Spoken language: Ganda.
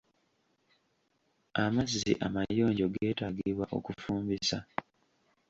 Amazzi amayonjo geetaagibwa okufumbisa.